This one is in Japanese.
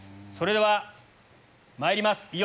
それではまいります